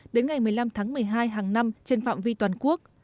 đến ngày một mươi năm tháng một mươi hai hàng năm trên phạm vi toàn quốc